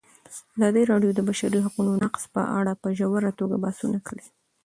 ازادي راډیو د د بشري حقونو نقض په اړه په ژوره توګه بحثونه کړي.